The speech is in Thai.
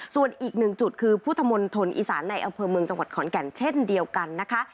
ส่วนอีกหนึ่งจุดคือพุทธมณฑลอีสานในอำเภอเมืองจังหวัดขอนแก่นเช่นเดียวกันนะคะ